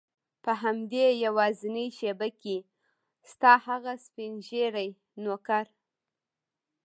په همدې یوازینۍ شېبه کې ستا هغه سپین ږیری نوکر.